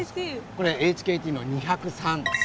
これＨＫＴの２０３です。